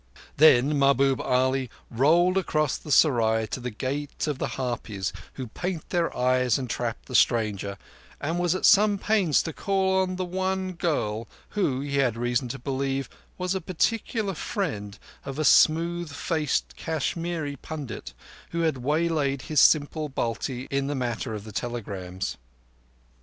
Then Mahbub Ali rolled across the serai to the Gate of the Harpies who paint their eyes and trap the stranger, and was at some pains to call on the one girl who, he had reason to believe, was a particular friend of a smooth faced Kashmiri pundit who had waylaid his simple Balti in the matter of the telegrams.